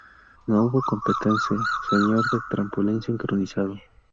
No hubo competencia "senior" de trampolín sincronizado.